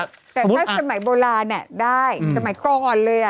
แต่ถ้าสมัยโบราณได้สมัยก่อนเลย